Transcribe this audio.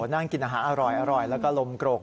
นั่งกินอาหารอร่อยแล้วก็ลมโกรก